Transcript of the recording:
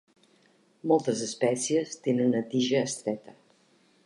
Moltes espècies tenen una tija estreta.